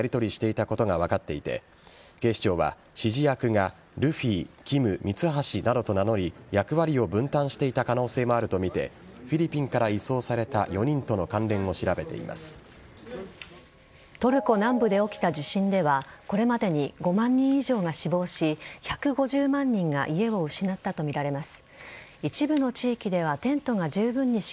この事件では実行役らがスマホのアプリで指示役のキムとやりとりしていたことが分かっていて警視庁は指示役がルフィ、キム、ミツハシなどと名乗り役割を分担していた可能性もあるとみてフィリピンから移送されたトルコ南部で起きた地震ではこれまでに５万人以上が死亡し１５０万人が家を失ったとみられます。